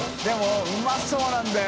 任うまそうなんだよ。